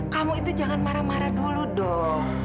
kamu itu jangan marah marah dulu dong